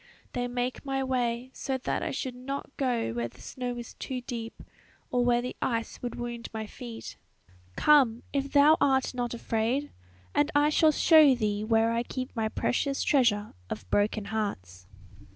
They make my way, so that I should not go where the snow is too deep, or where the ice would wound my feet. "Come! if thou art not afraid, and I shall show thee where I keep my precious treasure of broken hearts."